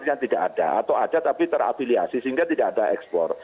ternyata disana suppliernya tidak ada atau ada tapi terabiliasi sehingga tidak ada export